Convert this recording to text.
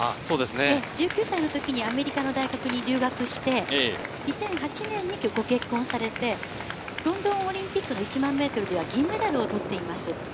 １９歳の時にアメリカの大学に留学して、２００８年にご結婚されて、ロンドンオリンピックの１００００ｍでは銀メダルを取っています。